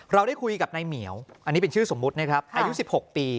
เราได้คุยกับนายเหมียวอันนี้เป็นชื่อสมมุตินะครับอายุ๑๖ปี